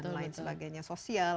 dan lain sebagainya sosial